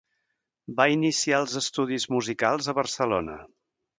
Va iniciar els estudis musicals a Barcelona.